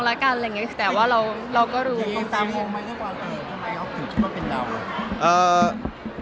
แต่ว่าเราก็รู้